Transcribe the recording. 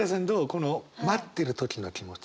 この待ってる時の気持ち。